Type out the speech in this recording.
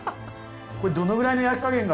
これどのくらいの焼き加減が。